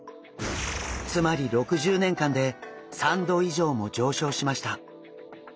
つまり６０年間で３℃以上も上昇しました。